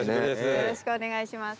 よろしくお願いします。